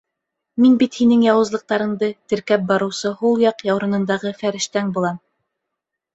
Мин бит һинең яуызлыҡтарыңды теркәп барыусы һул яҡ яурынындағы фәрештәң булам.